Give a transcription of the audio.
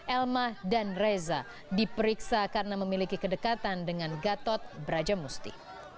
elma dan reza diperiksa karena memiliki kedekatan dengan gatot brajamusti